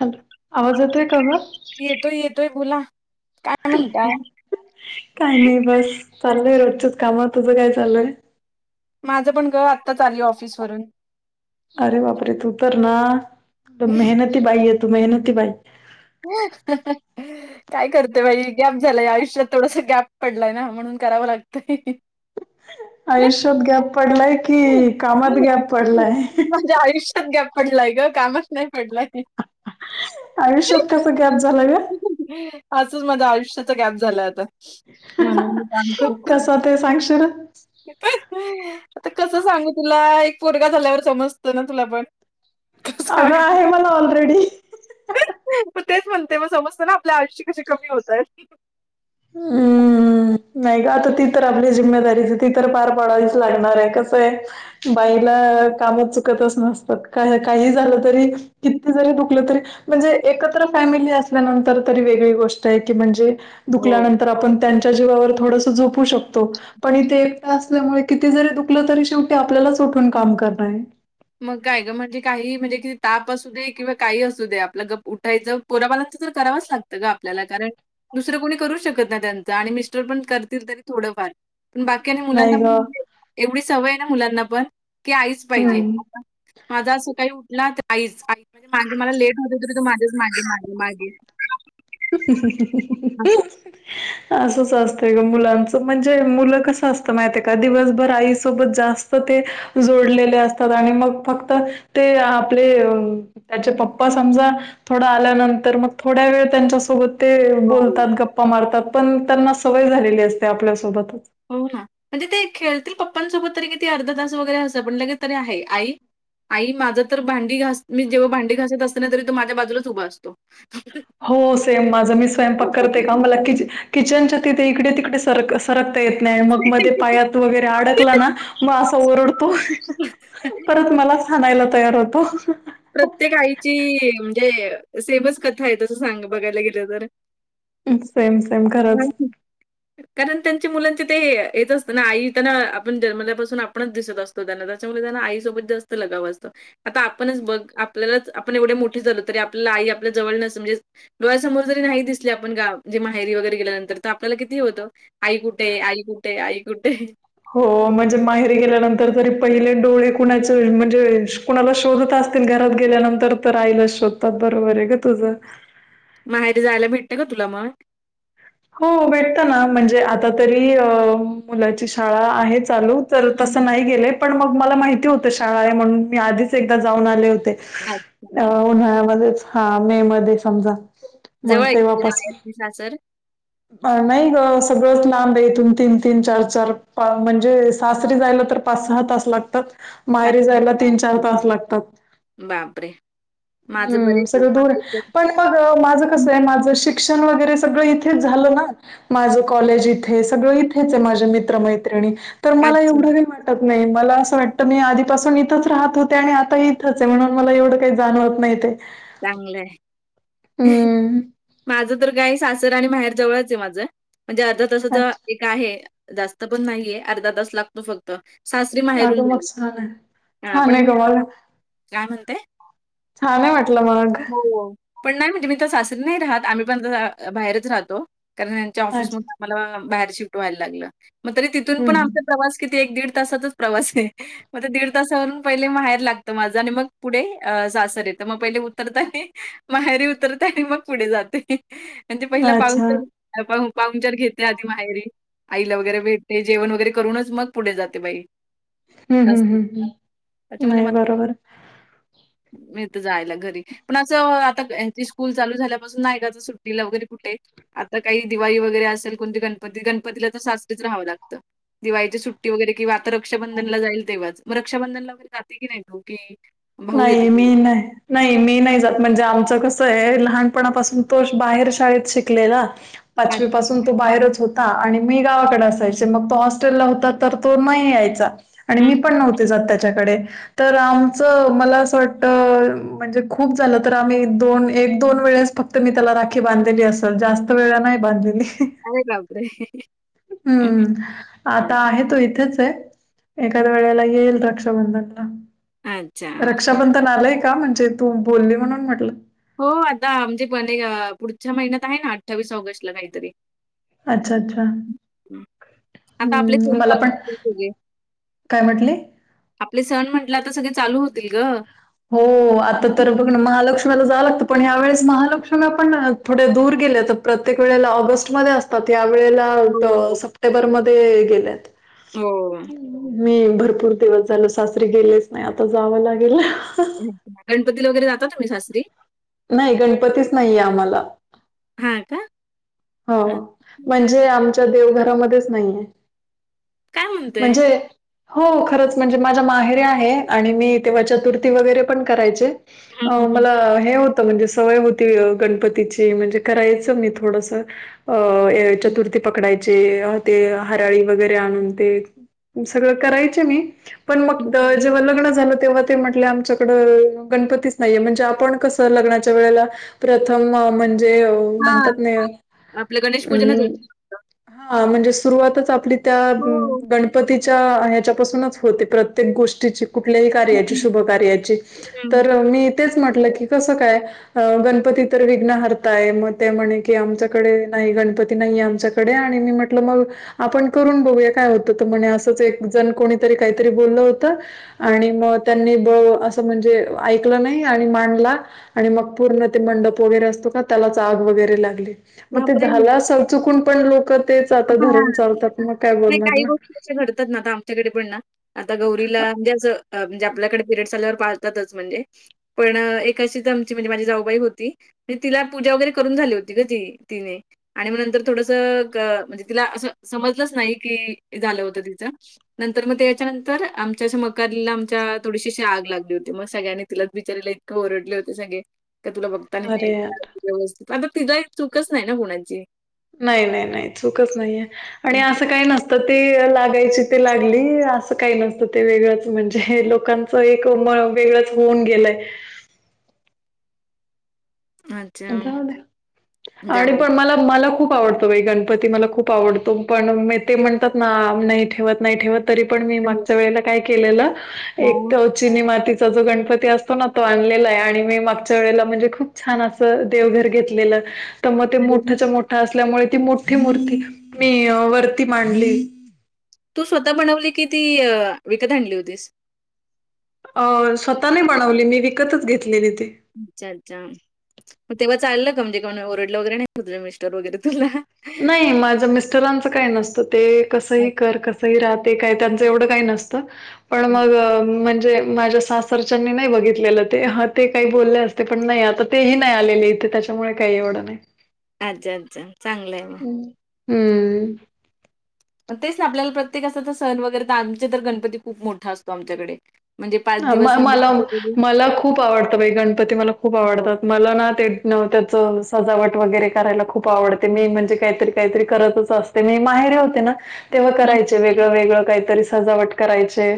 Hello, आवाज येतोय का ग? येतोय येतोय बोला. काय म्हणताय काय नाही बस चाललंय रोजच्याच कामात तुझं काय चालय. माझं पण ग आत्ताच आली ऑफिसवरून. अरे बापरे तू तर ना, मेहनती बाई आहे तू मेहनती बाई. [unintelligible] काय करतेय बाई गॅप झालाय आयुष्यात थोडस गॅप पडलाय ना म्हणून करावं लागतंय. आयुष्यात गॅप पडलाय की कामात गॅप पडलाय? माझ्या आयुष्यात गॅप पडलाय ग कामच नाही पडलाय. आयुष्यात त्याच गॅप झालायं ग. [unintelligible] माझ्या आयुष्याचा गॅप झालाय आता. म्हणून मी काम करते. कसा ते सांगशील? आता कसं सांगू तुला एक पोरगा झाल्यावर समजतं ना तुला पण. कसं अगं आयुष्य आहे मला ऑलरेडी. तेच म्हणते मग समजत ना आपल्या आयुष्य कसे कमी होतय. हम. नाही ग आता ती तर आपली जिम्मेदारीच ती तर पार पाडावीच लागणार आहे. कसं आहे बाईला कामात चुकतच नसतात का काही झालं तरी किती जरी दुकलं तरी म्हणजे एकत्र फॅमिली असल्यानंतर तरी वेगळी गोष्ट आहे की म्हणजे हो दुखल्यानंतर आपण त्यांच्या जीवावर थोडस झोपू शकतो. पण इथे एकटा असल्यामुळे किती जरी दुखलं तरी शेवटी आपल्यालाच उठून काम करण आहे. मग काय ग म्हणजे काही म्हणजे किती ताप असू दे किंवा काही असू दे आपलं ग उठायचं. पोराबालाच तर करावच लागतं ग आपल्याला कारण दुसरं कोणी करू शकत ना त्यांच आणि मिस्टर पण करतील तरी थोडंफार, पण बाकी मुलांना नाही ग पण [unintelligible] एवढी सवय आहे ना मुलांना पण की आईच पाहिजे. हम्म आता माझा असं काही उठला आईच आ. ण मागे मला लेट होते तरी तू माझेच मागे मागे मागे ह. हां. ह. असंच असतंय ग मुलांचं म्हणजे मुलं कस असतं माहिितय का दिवसभर आईसोबत जास्त ते जोडलेले असतात आणि मग फक्त ते आपले त्याचे पप्पा समजा थोडा आल्यानंतर मग थोड्या वेळ त्यांच्या सोबत ते हो, बोलतात गप्पा मारतात पण त्यांना सवय झालेली असते आपल्यासोबतच हो ना म्हणजे ते खेळतील पप्पांसोबत तरी किती अर्ध तास वगैरे असं पण लगे तरी आहे आई आई माझं तर भांडी घास मी जेव्हा भांडी घासत असतना तरी तो माझ्या बाजूलाच उभा असतो. हो सेम माझं मी स्वयं पक करते का मला कि किचनच्या तिथे इकडे तिकडे सरक सरकता येत नाही मग मध्ये पायात वगैरे अडकला ना मग असा ओरडतो. परत मला सानायला तयार होतो. प्रत्येक आईची म्हणजे सेमस कथा आहे तसं सांग बघायला गेलं तर सेम सेम खरंच. कारण त्यांचे मुलांचे ते येत असत ना आईना आपण जन्मलापासून आपणच दिसत असतो. त्याच्यामुळे त्यांना आई सोबत जास्त लगाव असतो आता आपणच बघ. आपल्यालाच आपण एवढे मोठीे झालो तरी आपल्याला आई आपल्या जवळ म्हणजे डोळ्यासमोर जरी नाही दिसले आपण का म्ह जे माहेरी वगैरे गेल्यानंतर तर आपल्याला किती होतं. आई कुठे आई कुठे आई कुठे? हो म्हणजे माहेरी गेल्यानंतर तरी पहिले डोळे कुणाचे म्हणजे कुणाला शोधत असतील घरात गेल्यानंतर तर आईलाच शोधतात बरोबर आहे ग तुझं? माहेरी जायला भेटते का तुला मग हो भेटत ना म्हणजे आता तरी मुलाची शाळा आहे चालू. तर हं, तसं हं. नाही गेले पण मग मला माहिती होतं शाळा आहे म्हणून मी आधीच एकदा जाऊन आले होते. अ अच्छा. उन्हाळ्यामध्येच हा मे मध्ये समजा मग तेव्हापस ह सर. नाही ग सगळंच लांब आहे इथून तीन तीन चार चार म्हणजे सासरी जायला तर पाच सहा तास लागतात मायरी अच्छा. जायला तीन चार तास लागतात. बापरे! माझं हम्म बरे सगळं दूर आहे माझं तर पण माझं हं. कसं आहे माझं शिक्षण वगैरे सगळं. थच झालं ना माझ कॉलेज इथे सगळं इथेच आहे माझे मित्र मैत्रिणी तर मला अच्छा. एवढं वाट. नाही मला असं वाटतं मी आधीपासून इथंच राहत होते आणि आता इथंच आहे म्हणून मला एवढं. काही जाणवत नाही ते चांगलंय हम्म. माझ? तर गाय सासर आणि माहेर जवळच आहे माझं म्हणजे अर्धा तस. अच्छा. का आहे जास्त पण नाहीये अर्धा तास लागतो फक्त सासरी माहेरून अगं मग जाली छान आहे. छान आपण आहे म ग मग. काय म्हणतेय. छान आहे वाटलं मला हो पण नाही म्हणजे मी सासरी नाही राहत आम्ही पण त बाहेरच राहतो कारण ऑफिस अच्छा. आ्हाला बाहेर शिफ्ट व्हायला लागलं मग त तिथून हं, पण आम प्रवास किती एक दीड तासातच प्रवास नाही. मग दीड तासावरून पहिलेहाहेर लागत माझं आणि मग पुढे सासर येत. तर मग पहिले उतरता आणि माहेरी उतरते आणि मग पुढे जाते म्हणजे पहिला हं. पाऊस अच्छा. पा पाहनचार घेते आधी माहेरी आईला वगैरे भेटते, जेवण वगैरे करूनच मग पुढे जाते बाई. हं, अ हं, हं, हं. पत मुली नाही म बरोबर. [unintelligible] जायला घरी, पण असं आता ह्याची स्कूल चालू झाल्यापासून नाय ग असं सुट्टीला वगैरे कुठे आता काही दिवाळी वगैरे असेल, कोणती गणपती गणपतीला तर साासरीच राहावं लागतं. दिवाळीची सुट्टी वगैरे किंवा आता रक्षांधनला जाईल तेव्हाच, मग रक्षाबंधनला वगैरे जाते की नाही तू की भाऊ येतो? नाही मी नाही नाही मी नाही जात, म्हणजे आमचं कसं आहे लहानपणापासून तो बाहेर शाळेत शिकलेला अच्छा. पाचवीपसून तो बाहेरच होता, आणि मी गावाकडे असायचे मग तो हॉस्टेलला होता तर तो नाही यायचा. आणि हं, मी पण हं. नव्हते जात त्याच्याकडे, तर आमच मला असं वाटत म्हणजे खूप झालं तर, आम्ही दोन एक दोन वेळेस फक्त तर मी त्याला राखी बांधलेली असेल, जास्त वेळा नाही बांधलेली. अरे बापरे. हम्म, आता आहे तो इथेच आहे. एखाद्या वेळेला येईल रक्षाबंधनला, अच्छा. रक्षाबंधन आलाय का? म्हणजे तू बोलली म्हणून म्हटलं. हो आता म्हणजे, पण पुढच्या महिन्यात आहे ना अठ्ठावीस ऑगस्टला काहीतरी अच्छा! अच्छा! हं. आता आपले हम्म, सण मला चालू पण होतील सगळे. काय म्हटले? आपले सण म्हंटलं, आता सगळे चालू होतील ग. हो, आता तर बघ ना महालक्ष्मीला जावं लागतं, पण या्यावेळेस महालक्ष्मी आपण थोडे दूर गेले तर प्रत्येक वेळेला ऑगस्टमध्ये असतात. या वेळेला हो, हो. सप्टेंबरमध्ये गेल्यात. हो. मी भरपूर दिवस झाल सासरी गेलेच नाही, आता जावं लागेल. गणपती ला वगैरे जाता तुम्ही सासरी? नाही, गणपतीच नाहीये आम्हाला. हा का. हो, अच्छा. म्हणजे आमच्या देवघरामध्येच नाही आहे. काय म्हणताय? म्हणजे हो खरंच, म्हणजे माझ्या माहेरी आहे आणि मी तेव्हा चतुर्थी वगैरे पण करायचे. हं, अ, हं, हं. मला हे हो म्हणजे सवय होती गणपतीची, म्हणजे करायचं मी थोडस अ, चतुर्थी पकडायची हराळी वगैरे आणून ते सगळं करायच मी, पण मग हं, हं. जेव्हा लग्न झाल तेव्हा, ते म्हटले आमच्याकडं गणपतीच नाहीये, म्हणजे आपण कसं लग्नाच्या वेळेला प्रथम म्हणजे हां. म्हणतात ना आपलं गणेश पूजनच हम्, होतं. हा म्हणजे सुरुवातच आपली त्या हो. गणपती ह्याच्या पासूनच होते, प्रत्येक गोष्टी कुठल्याही कार्याची, शुभ हं. कार्याची हं. तर मी तेच म्हटलं क कस काय, गणपती तर विघ्न हारताय मग ते म्हणे की डे नाही गणपती नाही आमच्याकडे, आणि मी म्हटलं मग आपण करून बघूया काय होतं त, म्हणे असंच एक जण कोणीतरी काहीतरी बोललं होतं. हां. आणि मग त्यांनी ब असं म्हणजे ऐकलं नाही, आणि मांडला आणि मग पूर्ण ते मंडप वगैरे असतो का, त्यालाच आग वगैरे लागली. मग ते बापरे! झालं असल चुकून, पण लोक तेच आता धरून चालतात मग काय बोलणार ना. डतात ना आता आमच्याकडे पण ना आता गौरीला म्हणजे म्हणजे आपल्याकडे पिरड झाल्यावर तच म्हणजे पण एकाशीच आमची म्हणजे माझी जाऊबाई होती म्हणजे तिला पूजा वगैरे करून झाली होती का ती तिने आणि मग नंतर थोडस म्हणजे तिला असं समजलंच नाही की झालं होतं तिचं. नंतर मग ते त्याच्यानंतर आमच्या मकालीला आमच्या थोडीशी आग लागली होती, मग सगळ्यांनी तिलाच बिचारीला ओरडले होते सगळे, का तुला बघ अरे यार व्यवस्थित आता तिथ चूकच नाही ना कोनाची [unintelligible] नाही, नाही, नाही, चूकच नाहीये आणि असं काही नसत. ते लागायची ते लागली असं काही नसतं ते वेगळंच म्हणजे लोकां एक म वेगळंच होऊन गेलंय. अ जावू दे आणि पण मला मला खूप आवडतं. गणपती मला खूप आवडतो पण म ते म्हणतात ना नाही ठेवत नाही ठेवत तरी पण मी मागच्या वेळेला काय केलेलं एक हां. तर चिनी मातीचा जो गणपती असतो ना तो आणलेला आहे आणि मी मागच्या वेळेला म्हणजे खूप छान असतो देवघर घेतले तर मग ते अरे! मोठ्या मोठ असल्यामुळे ती मोठी मूर्ती मी वरती मांडली तू स्वतः बनवली की ती विकत आणली होतीस. अ स्वतःनाही बनवली मी विकतच घेतलेले ते. अच्छा अच्छा तेव्हा चाललं का म्हणजे का ओरडलं वगैरे नाही तुझ मिस्टर वगैरे तुला नाही माझं मिस्टरांचं काही नसतं ते कसंही कर कसंही राहा ते काय त्यांचं एवढं काही नसतं. पण मग म्हणजे माझ्या घरचानी नाही बघितलेलं ते ह ते काही बोलले असते पण नाही आता तेही नाही आलेले इथे त्याच्यामुळे काही एवढं नाही. अच्छा अच्छा चांगलंय. हम्म मग तेच ना आपल्याला प्रत्येक अस तर सण वगैरे तर आमचे तर गणपती खूप मोठा असतो आमच्याकडे. म्हणजे म दिवस म्हणजे मला आमच्याकडे मला खूप आवडतं बाई गणपती मला खूप हो. आवडतात मला ना ते न त्याच सजावट वगैरे करायला खूप आवडते मी म्हणजे काहीतरी काहीतरी करतच असत ते मी माहेरे होते ना तेव्हा हं. करायचे वेगळं वेगळं काहीतरी सजावट करायचे.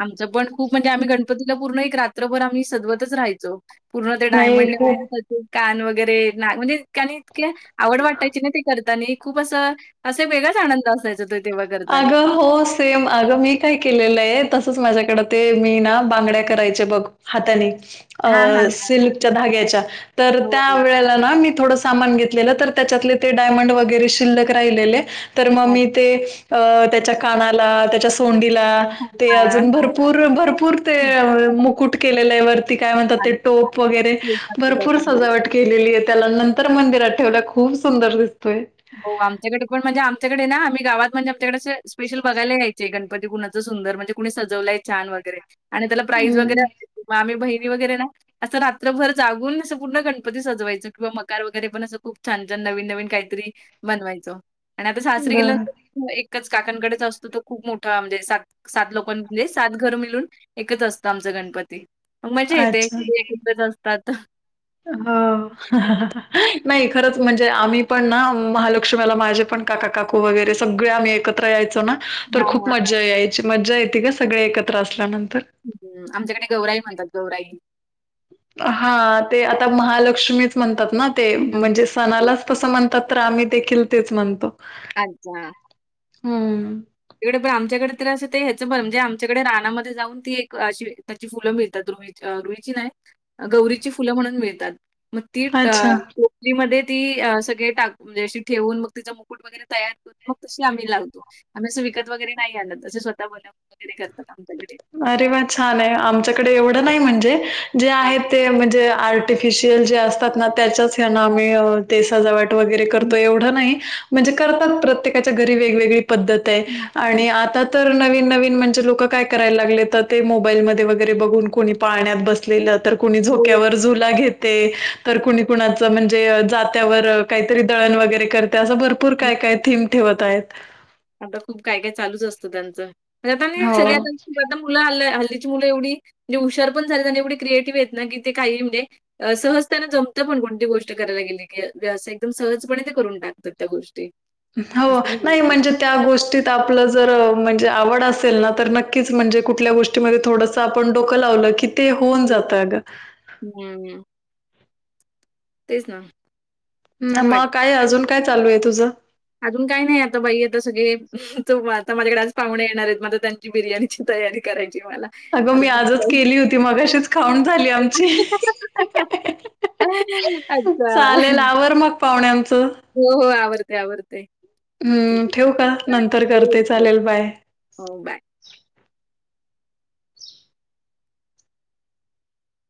आमचं पण खूप म्हणजे आम्ही गणपतीला पूर्ण एक रात्रभर आम्ही सजवतच राहायचो. पूर्ण ते नाही डायमंड खूप निघ कान वगैरे म्हणजे आणि इतक्या आवड वाटायची ना ते करताना खूप असं असं वेगळाच आनंद असायच. अगं हो सेम अगं मी काय केलेलं आहे तसंच माझ्याकडें ते मी ना बांगड्या करायचे बघ हाताने अ हां, हां, हां. सिल्कच्या धाग्याच्या तर हो. त्या वेळेला ना मी थोड सामान घेतलेलं तर त्याच्यातले ते डायमंड वगैरे शिल्लक राहिलेले तर मग हो. मी अच्छा. ते अ त्याच्या कानाला त्याच्या सोंडीला ते हां. अजून भरपूर भरपूर ते मुकुट केलेलं आहे वरती काय म्हणतात ते टोप वगैरे भरपूर [unintelligible] सजावट केलेली आहे त्याला नंतर मंदिरात ठेवल्या खूप सुंदर दिसतोय. हो आमच्याकडे पण म्हणजे आमच्याकडे ना आम्ही गावात म्हणजे आमच्याकडें स्पेशल बघायला यायचे गणपती कुणाचं सुंदर म्हणजे कुणी सजवलंय छान वगैरे आणि त्याला प्राईज वगैरे हम्म, असायचे आम्ही बहिणी वगैरे ना असं रात्रभर जागून असं पूर्ण गणपती सजवायचं किंवा मकार वगैरे पण असं खूप छान छान नवीन नवीन काहीतरी बनवायचो आणि आता सासरीे बरं गेल्यावर एकच काकांकडेच असतो तो खूप मोठा म्हणजे सात सात लोकां म्हणजे सात घर मिळून एकच असतं आमच गणपती मजा येते अच्छा कधी एकत्रच असतात. हो नाही खरंच म्हणजे आम्ही पण ना महालक्ष्मीला माझे पण काका काकू वगैरे सगळे आम्ही एकत्र यायचो ना तर हां, खूप हां. मज्जा यायची मज्जा येते का सगळे एकत्र असल्यानंतर. हम्म आमच्याकडे गौराई म्हणतात गौराई हा ते आता महालक्ष्मीच म्हणतात ना ते म्हणजे हं. सणालाच कसं म्हणतात तर आम्ही देखील तेच म्हणतो अच्छा हम्म तिकडे पण आमच्याकडे तर असं ते हचंर म्हणजे आमच्याकडे रानामध्ये जाऊन ती एक अशी त्याची फुलं मिळतात रु रुची नाही गौरीची फुलं म्हणून मिळतात मग अच्छा. ती मध्ये ती अ सगळे टाक म्हणजे अशी ठेवून मग तिचा मुकुट तयार कर मग त आम्ही लावतो आम्ही असं विकत वगैरे नाही आलं त असे स्वतः बोव वगैर करतात आमच्याकडे अरे वा छान आहे आमच्याकडे एवढं नाही म्हणजे जे हां. आहे ते म्हणजे आर्टिफिशियल जे असतात ना त्याच्याच ना हो. आम्ही ते सजावट वगैरे करतो एवढ नाही म्हणजे करतात प्रत्येकाच्या घरी वेगवेगळी पद्धत आहे आणि आता तर नवीन नवीन म्हणजे लोक काय करायला लागले तर ते मोबाईल मधे वगैरे बघून कोणी पाळण्यात बसलेलं तर कुणी झोक्यावर झुल घेते. कुणी कुणाचे म्हणजे जात्यावर काहीतरी दळण वगैरे करते असे भरपूर भपूर काय काय थीम ठेवत आहेत आता खूप काय काय चालूच असतं त्यांचं म्हणजे आता हो. सगळ्या आता मुलं हल्ल्या हल्लीची मुलं एवढी म्हजे हुशार पण झाली आणि एवढी क्रिएटिव्ह आहेत ना की ते काहीणजे सहजतेने जमत पण कोणती गोष्ट करायला गेली की व्यवसाय एकदम सहजपणे ते करून टाकतात त्या गोष्टी हो असं होत नाही कुठे. म्हणजे त्या गोष्टीत आपलं जर म्हणजे आवड असेल ना तर नक्कीच म्हणजे कुठल्या गोष्टी ग थोडस आपण डोकं लावलं की ते होऊ जातं अ ग हम्म तेच ना छान वाट मग काय अजून काय चालू आहे तुझं अजून काही नाही आता बाई आता सगळे त आता माझ्याकडे आज पाहुणे येणार आहेत मझ त्यां बिर्याणीची तयारी करायची मला अगं आता मी ते आजच केली होती मग अशीच खाऊन झाली आमची अच्छा. चालेल आवर मग पाहुण्या आमचं हो हो आवडते आवडते हम्म ठेव का नंतर करते हो. चालेल बाय हो बाय